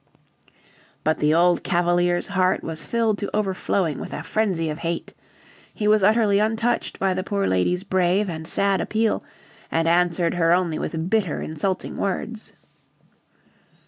But the old Cavalier's heart was filled to overflowing with a frenzy of hate. He was utterly untouched by the poor lady's brave and sad appeal, and answered her only with bitter, insulting words.